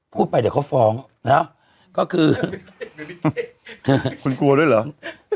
พูดไปเดี๋ยวเขาฟ้องนะก็คือคุณกลัวด้วยเหรอ